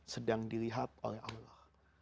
sedang dilihat oleh allah